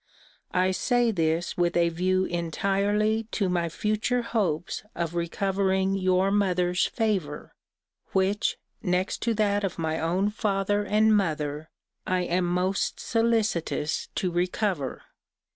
I say this with a view entirely to my future hopes of recovering your mother's favour, which, next to that of my own father and mother, I am most solicitous to recover.